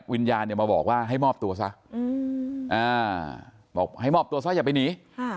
วิญญาณเนี่ยมาบอกว่าให้มอบตัวซะบอกให้มอบตัวซะอย่าไปหนี